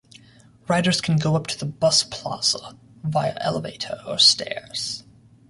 Riders can go up to the bus plaza via elevator or stairs.